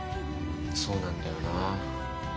そうなんだよな。